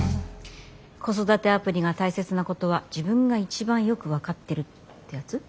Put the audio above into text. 「子育てアプリが大切なことは自分が一番よく分かってる」ってやつ？